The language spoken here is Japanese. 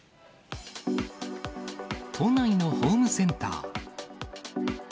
都内のホームセンター。